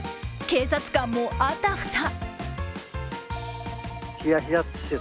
警察官もあたふた。